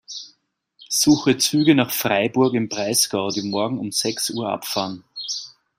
Suche Züge nach Freiburg im Breisgau, die morgen um sechs Uhr abfahren.